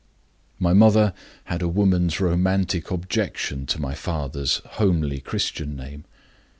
"My mother had a woman's romantic objection to my father's homely Christian name.